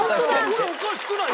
これおかしくない？